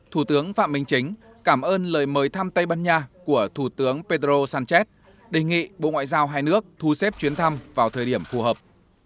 thủ tướng phạm minh chính cảm ơn lời mời thăm tây ban nha của thủ tướng pedro sánchez đề nghị bộ ngoại giao hai nước thu xếp chuyến thăm vào thời điểm phù hợp